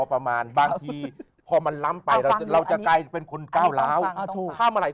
ประมาณบางทีพอมันล้ำไปเราจะกลายเป็นคนเก้าล้าวถ้ามาหลาย